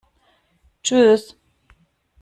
Tschüss!